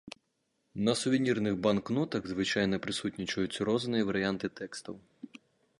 На сувенірных банкнотах звычайна прысутнічаюць розныя варыянты тэкстаў.